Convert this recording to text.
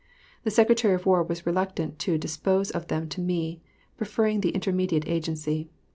The Secretary at War was reluctant to dispose of them to me, preferring the intermediate agency.